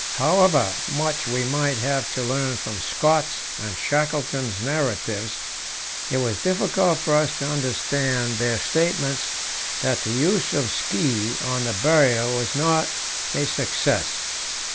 However much we might have to learn from Scott's and Shackleton's narratives, it was difficult for us to understand their statements that the use of ski on the Barrier was not a success.